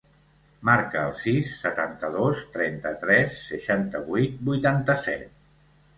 Marca el sis, setanta-dos, trenta-tres, seixanta-vuit, vuitanta-set.